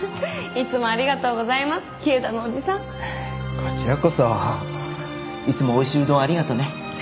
こちらこそいつもおいしいうどんをありがとね。